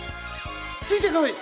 ついてこい！